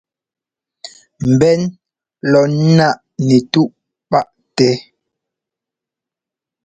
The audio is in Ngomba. Mbɛ́n lɔ ńnáꞌ nɛtúꞌ páꞌ tɛ.